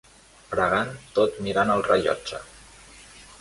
Pregant tot mirant el rellotge.